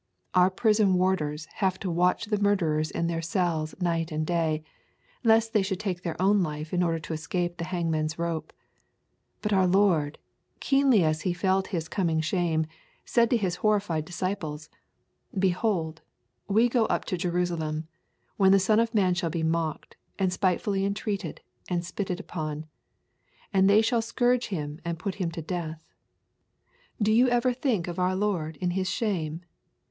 Our prison warders have to watch the murderers in their cells night and day, lest they should take their own life in order to escape the hangman's rope; but our Lord, keenly as He felt His coming shame, said to His horrified disciples, Behold, we go up to Jerusalem, when the Son of Man shall be mocked, and spitefully entreated, and spitted on; and they shall scourge Him and put Him to death. Do you ever think of your Lord in His shame?